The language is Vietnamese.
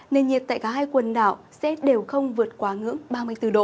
nền nhiệt tại cả hai quần đảo sẽ đều không vượt quá ngưỡng ba mươi bốn độ